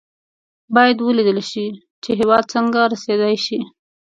باید ولېدل شي چې هېواد څنګه رسېدای شي.